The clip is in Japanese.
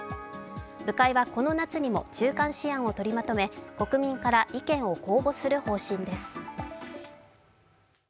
部会はこの夏にも中間試案を取りまとめ国民から意見を公募する方針です。